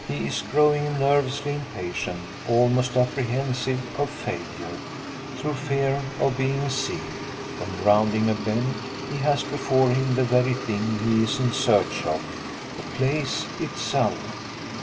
He is growing nervously impatient almost apprehensive of failure, through fear of being seen when rounding a bend he has before him the very thing he is in search of the place itself.